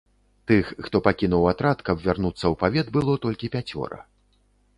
Тых, хто пакінуў атрад, каб вярнуцца ў павет, было толькі пяцёра.